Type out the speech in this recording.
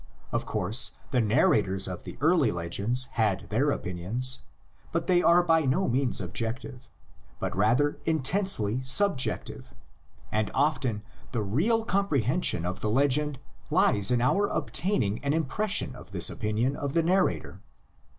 Of course, the narrators of the early legends had their opinions; they are by no means objective, but rather intensely subjective; and often the real comprehension of the legend lies in our obtaining an impression of this opinion of the nar rator.